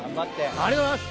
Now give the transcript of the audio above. ありがとうございます。